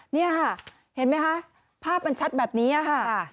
นี่ค่ะเห็นไหมคะภาพมันชัดแบบนี้ค่ะ